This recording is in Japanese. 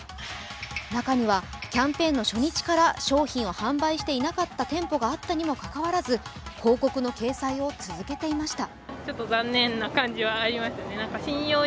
中にはキャンペーンの初日から商品を販売していなかった店舗があったにもかかわらず、広告の掲載を続けていました。